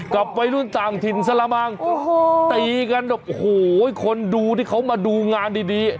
กับวัยรุ่นต่างถิ่นสละมังโอ้โหตีกันแบบโอ้โหคนดูที่เขามาดูงานดี